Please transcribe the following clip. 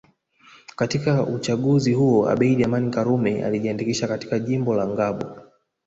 Katika uchaguzi huo Abeid Amani Karume alijiandikisha katika jimbo la Ngambo